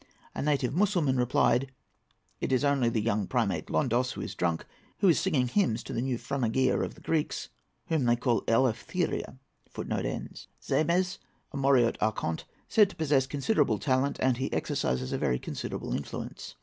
A native Mussulman replied, "It is only the young primate Londos, who is drunk, and is singing hymns to the new franaghia of the Greeks, whom they call 'Eleftheria.'"—Finlay, vol. ii., p. 35.] ZAIMES.—A Moreot Archonte; said to possess considerable talent, and he exercises a very considerable influence.